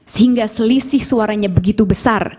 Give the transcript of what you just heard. sehingga selisih suaranya begitu besar